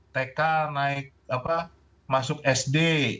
tk masuk sd